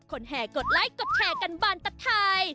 แห่กดไลค์กดแชร์กันบานตะทาย